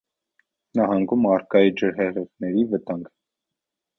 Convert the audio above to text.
Նահանգում առկա է ջրհեղեղների վտանգը։